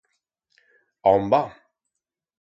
Aón va?